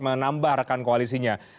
menambah rekan koalisinya